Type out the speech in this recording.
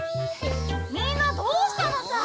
みんなどうしたのさ？